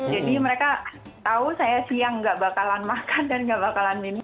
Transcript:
jadi mereka tahu saya siang gak bakalan makan dan gak bakalan minum